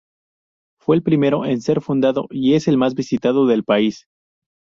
Fue el primero en ser fundado y es el más visitado del país.